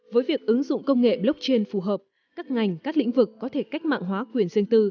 với việc ứng dụng công nghệ blockchain phù hợp các ngành các lĩnh vực có thể cách mạng hóa quyền dương tư